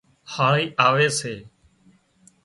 هاۯِي آوي سي